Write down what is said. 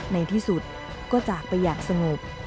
ในที่สุดก็จากไปอย่างสงบ